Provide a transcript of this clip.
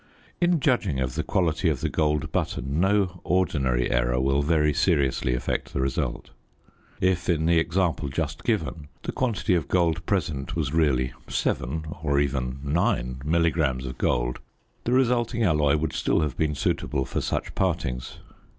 In judging of the quality of the gold button, no ordinary error will very seriously affect the result. If, in the example just given, the quantity of gold present was really 7 or even 9 milligrams of gold, the resulting alloy would still have been suitable for such partings.